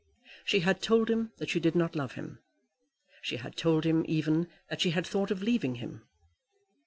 She had told him that she did not love him. She had told him, even, that she had thought of leaving him.